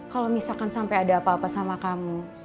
kalau misalkan sampai ada apa apa sama kamu